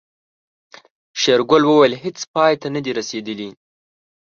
شېرګل وويل هيڅ پای ته نه دي رسېدلي.